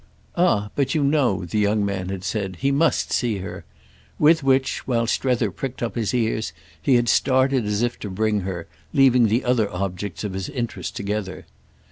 "Ah but you know," the young man had rejoined, "he must see her"; with which, while Strether pricked up his ears, he had started as if to bring her, leaving the other objects of his interest together.